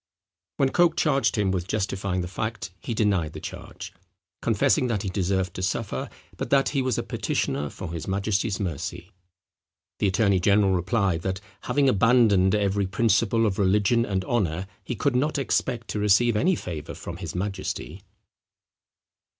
When Coke charged him with justifying the fact he denied the charge, confessing that he deserved to suffer, but that he was a petitioner for his majesty's mercy. The attorney general replied, that, having abandoned every principle of religion and honour, he could not expect to receive any favour from his majesty.